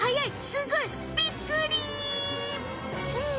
すごい！びっくり！